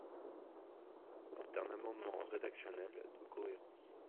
C’est un amendement rédactionnel de cohérence.